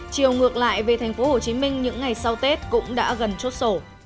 chiều ngược lại về tp hcm những ngày sau tết cũng đã gần chốt sổ